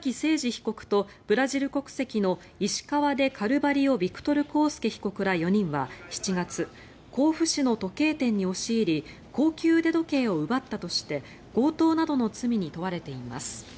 被告とブラジル国籍のイシカワ・デ・カルバリオ・ヴィクトル・コースケ被告ら４人は７月甲府市の時計店に押し入り高級腕時計を奪ったとして強盗などの罪に問われています。